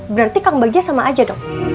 berarti kang bagjate sama aja dong